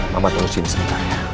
mama tunggu sini sebentar ya